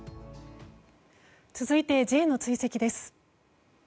続いてＪの追跡です。